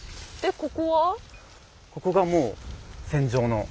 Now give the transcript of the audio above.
ここがもう戦場の跡です。